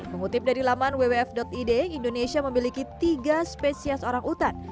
mengutip dari laman wwf id indonesia memiliki tiga spesies orang utan